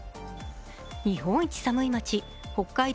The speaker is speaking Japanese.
日本一寒い町、北海道